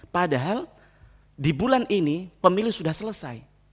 padahal di bulan ini pemilu sudah selesai